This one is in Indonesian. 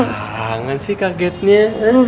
parangan sih kagetnya